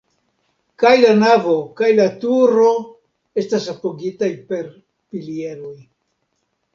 Kaj la navo kaj la turo estas apogitaj per pilieroj.